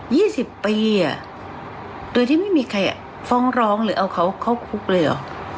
สิบปีอ่ะโดยที่ไม่มีใครอ่ะฟ้องร้องหรือเอาเขาเข้าคุกเลยเหรอ